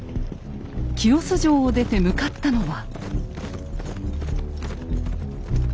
清須城を出て向かったのは。